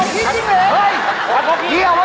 หุ่นที่ส่วน